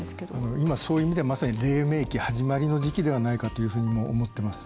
今、そういう意味ではまさに、れい明期始まりの時期ではないかというふうにも思っています。